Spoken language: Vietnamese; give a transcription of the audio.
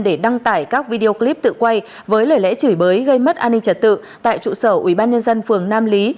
để đăng tải các video clip tự quay với lời lẽ chửi bới gây mất an ninh trật tự tại trụ sở ubnd phường nam lý